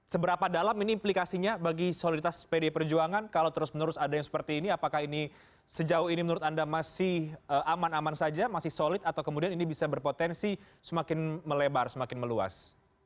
seberapa dalam ini implikasinya bagi soliditas pdi perjuangan kalau terus menerus ada yang seperti ini apakah ini sejauh ini menurut anda masih aman aman saja masih solid atau kemudian ini bisa berpotensi semakin melebar semakin meluas